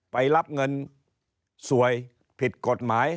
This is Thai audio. ไปรับเงินสวยผิดกฎหมาย